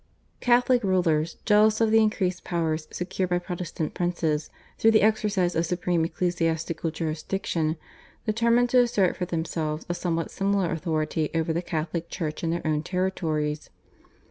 Catholic rulers, jealous of the increased powers secured by Protestant princes through the exercise of supreme ecclesiastical jurisdiction, determined to assert for themselves a somewhat similar authority over the Catholic Church in their own territories.